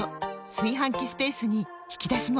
炊飯器スペースに引き出しも！